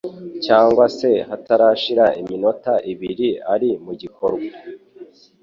cyangwa se hatarashira iminota ibiri ari mu gikorwa.